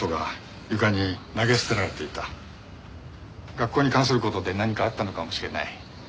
学校に関する事で何かあったのかもしれない。